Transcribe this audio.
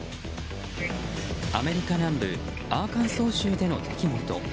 アメリカ南部アーカンソー州での出来事。